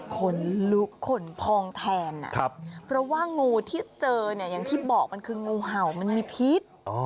ขนลุกขนพองแทนเพราะว่างูที่เจอเนี่ยอย่างที่บอกมันคืองูเห่ามันมีพิษ